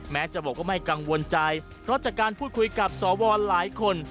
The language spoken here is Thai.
แม้จะบอกว่าไม่กังวลใจเพราะจากการพูดคุยกับสวหลายคน